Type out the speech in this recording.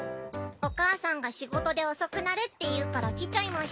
お母さんが仕事で遅くなるっていうから来ちゃいました。